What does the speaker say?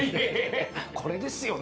これですよね